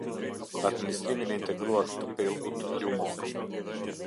Administrimin e integruar të pellgut lumor.